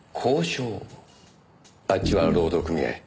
あっちは労働組合。